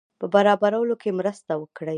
په برابرولو کې مرسته وکړي.